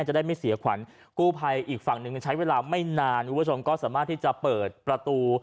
จะได้ไม่เสียขวัญกู้ภัยอีกฝั่งหนึ่งใช้เวลาไม่นานคุณผู้ชมก็สามารถที่จะเปิดประตู